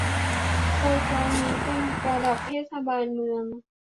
โดยครั้งนี้เป็นระดับเทศบาลเมือง